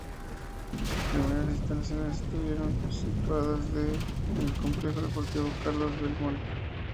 Sus primeras instalaciones estuvieron situadas en el Complejo Deportivo Carlos Belmonte.